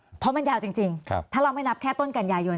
เพราะมันยาวจริงถ้าเราไม่นับแค่ต้นกันยายน